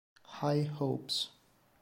High Hopes